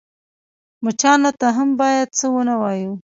_مچانو ته هم بايد څه ونه وايو.